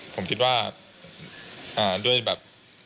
ผมคิดว่าด้วยแบบ